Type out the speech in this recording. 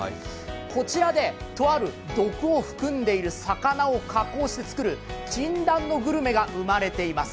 こちらで、とある毒を含んでいる魚を加工して作る禁断のグルメが生まれています。